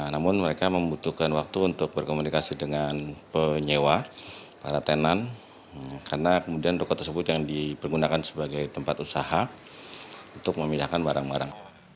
namun mereka membutuhkan waktu untuk berkomunikasi dengan penyewa para tenan karena kemudian rokok tersebut yang dipergunakan sebagai tempat usaha untuk memilahkan barang barang